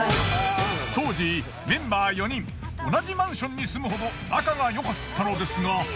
当時メンバー４人同じマンションに住むほど仲がよかったのですが。